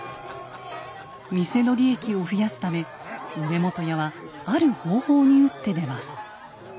店の利益を増やすため梅本屋はある方法に打って出ます。